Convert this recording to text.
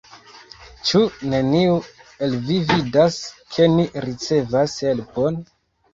Ĉu neniu el vi vidas, ke ni ricevas helpon?